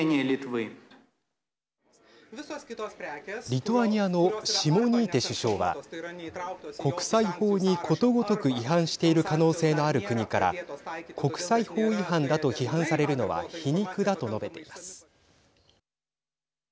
リトアニアのシモニーテ首相は国際法に、ことごとく違反している可能性のある国から国際法違反だと批判されるのは皮肉だと述べています。